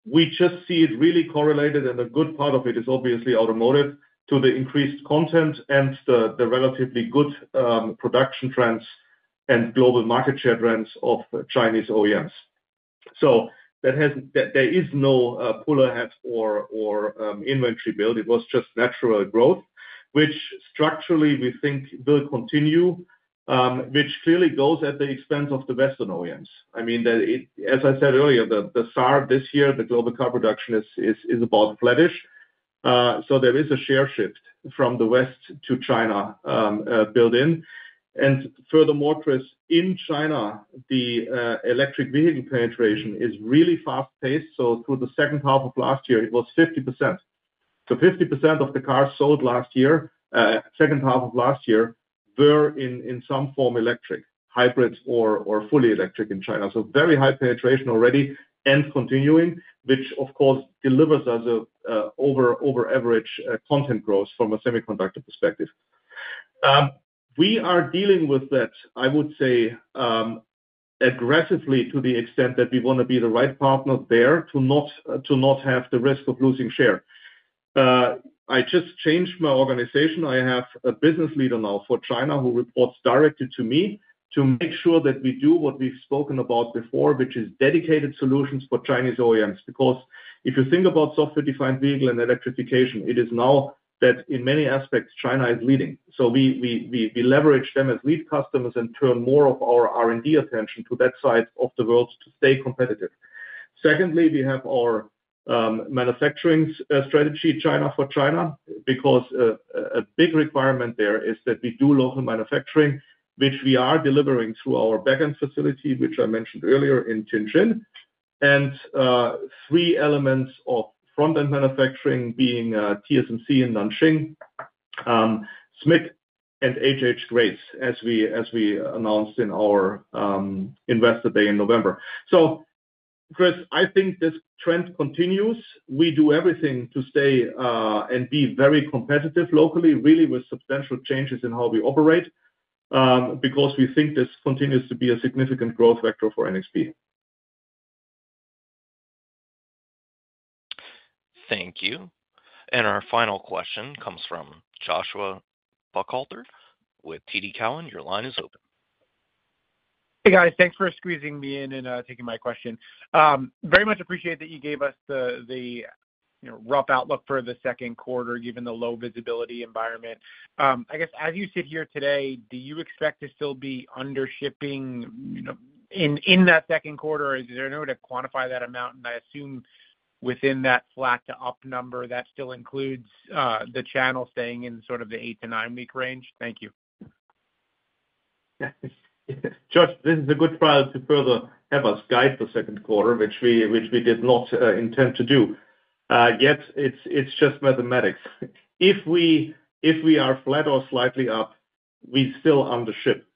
We just see it really correlated, and a good part of it is obviously automotive to the increased content and the relatively good production trends and global market share trends of Chinese OEMs. So there is no pull-ahead or inventory build. It was just natural growth, which structurally we think will continue, which clearly goes at the expense of the Western OEMs. I mean, as I said earlier, the SAAR this year, the global car production, is about flattish. So there is a share shift from the West to China built in. And furthermore, Chris, in China, the electric vehicle penetration is really fast-paced. So through the second half of last year, it was 50%. So 50% of the cars sold last year, second half of last year, were in some form electric, hybrids, or fully electric in China. So very high penetration already and continuing, which of course delivers us over-average content growth from a semiconductor perspective. We are dealing with that, I would say, aggressively to the extent that we want to be the right partner there to not have the risk of losing share. I just changed my organization. I have a business leader now for China who reports directly to me to make sure that we do what we've spoken about before, which is dedicated solutions for Chinese OEMs. Because if you think about software-defined vehicle and electrification, it is now that in many aspects, China is leading. So we leverage them as lead customers and turn more of our R&D attention to that side of the world to stay competitive. Secondly, we have our manufacturing strategy, China for China, because a big requirement there is that we do local manufacturing, which we are delivering through our backend facility, which I mentioned earlier in Tianjin, and three elements of front-end manufacturing being TSMC in Nanjing, SMIC, and HHGrace, as we announced in our Investor Day in November. So, Chris, I think this trend continues. We do everything to stay and be very competitive locally, really with substantial changes in how we operate because we think this continues to be a significant growth vector for NXP. Thank you. And our final question comes from Joshua Buchalter with TD Cowen. Your line is open. Hey, guys. Thanks for squeezing me in and taking my question. Very much appreciate that you gave us the rough outlook for the second quarter given the low visibility environment. I guess as you sit here today, do you expect to still be under-shipping in that second quarter? Is there a way to quantify that amount? And I assume within that flat to up number, that still includes the channel staying in sort of the eight- to nine-week range. Thank you. Josh, this is a good try to further have us guide the second quarter, which we did not intend to do. Yes, it's just mathematics. If we are flat or slightly up, we still under-ship.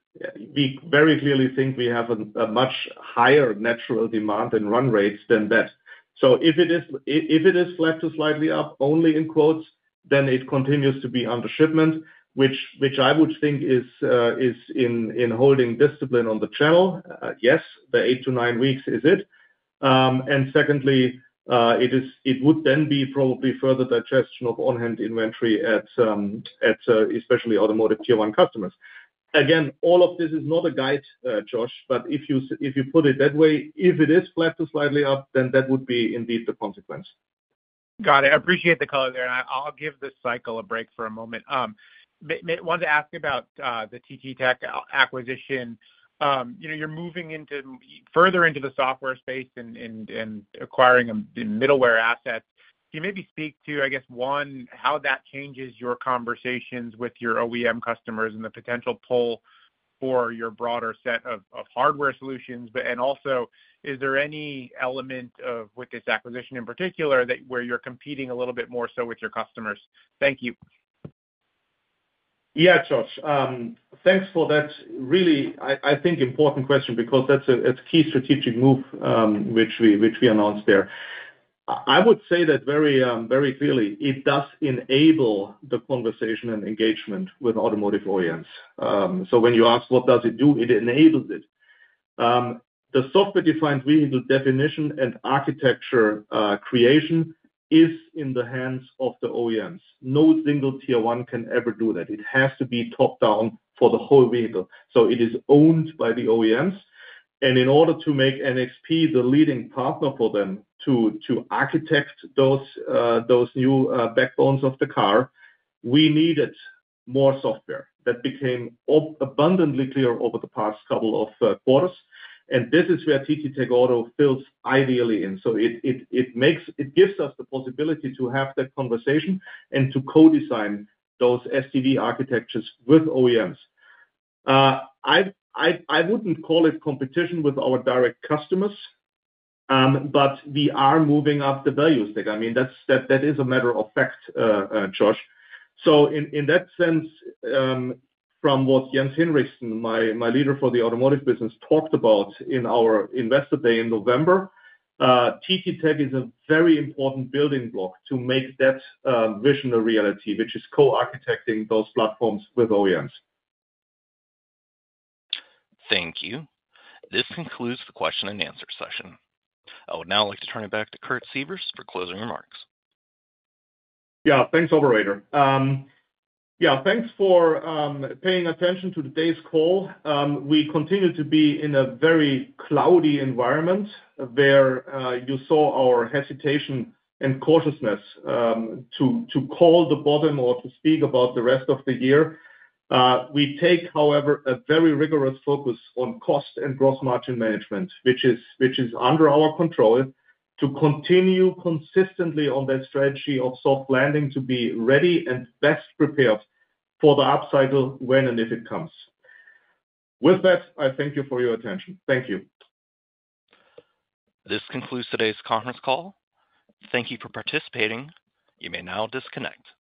We very clearly think we have a much higher natural demand and run rates than that. So if it is flat to slightly up only in quotes, then it continues to be under-shipment, which I would think is in holding discipline on the channel. Yes, the eight to nine weeks is it. And secondly, it would then be probably further digestion of on-hand inventory at especially automotive Tier 1 customers. Again, all of this is not a guide, Josh, but if you put it that way, if it is flat to slightly up, then that would be indeed the consequence. Got it. I appreciate the color there. And I'll give the cycle a break for a moment. I wanted to ask about the TTTech acquisition. You're moving further into the software space and acquiring middleware assets. Can you maybe speak to, I guess, one, how that changes your conversations with your OEM customers and the potential pull for your broader set of hardware solutions? And also, is there any element of with this acquisition in particular where you're competing a little bit more so with your customers? Thank you. Yeah, Josh. Thanks for that really, I think, important question because that's a key strategic move which we announced there. I would say that very clearly, it does enable the conversation and engagement with automotive OEMs. So when you ask what does it do, it enables it. The software-defined vehicle definition and architecture creation is in the hands of the OEMs. No single Tier 1 can ever do that. It has to be top-down for the whole vehicle. So it is owned by the OEMs. And in order to make NXP the leading partner for them to architect those new backbones of the car, we needed more software. That became abundantly clear over the past couple of quarters. And this is where TTTech Auto fits ideally in. So it gives us the possibility to have that conversation and to co-design those SDV architectures with OEMs. I wouldn't call it competition with our direct customers, but we are moving up the value stack. I mean, that is a matter of fact, Josh. So in that sense, from what Jens Hinrichsen, my leader for the automotive business, talked about in our Investor Day in November, TTTech Auto is a very important building block to make that vision a reality, which is co-architecting those platforms with OEMs. Thank you. This concludes the question and answer session. I would now like to turn it back to Kurt Sievers for closing remarks. Yeah, thanks, Operator. Yeah, thanks for paying attention to today's call. We continue to be in a very cloudy environment where you saw our hesitation and cautiousness to call the bottom or to speak about the rest of the year. We take, however, a very rigorous focus on cost and gross margin management, which is under our control to continue consistently on that strategy of soft landing to be ready and best prepared for the upcycle when and if it comes. With that, I thank you for your attention. Thank you. This concludes today's conference call. Thank you for participating. You may now disconnect.